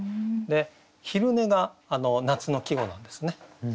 「昼寝」が夏の季語なんですね。